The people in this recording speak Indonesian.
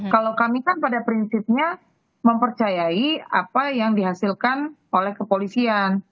kalau kami kan pada prinsipnya mempercayai apa yang dihasilkan oleh kepolisian